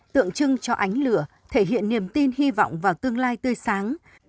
tượng trưng cho ánh lửa thể hiện niềm tin hy vọng vào tương lai tươi sáng